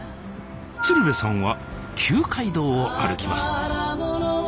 鶴瓶さんは旧街道を歩きます